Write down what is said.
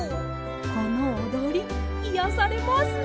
このおどりいやされますね。